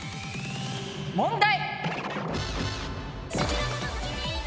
問題！